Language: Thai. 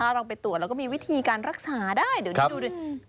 เราไปตรวจแล้วก็มีวิธีการรักษาได้เดี๋ยวนี้ดูดิ